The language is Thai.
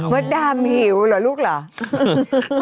เบอร์ดามหิวเหรอลูกเหรอ